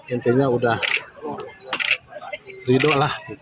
intinya sudah ridho lah